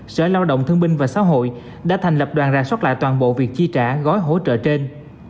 sở lao động thương binh và xã hội đã thành lập đoàn ra soát lại toàn bộ việc chi trả gói hỗ trợ trên